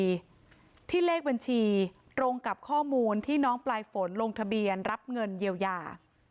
ที่เลขบัญชีตรงกับข้อมูลที่น้องปลายฝนลงทะเบียนรับเงินเยียวยา